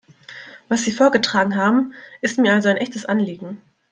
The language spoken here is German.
Was Sie vorgetragen haben, ist mir also ein echtes Anliegen.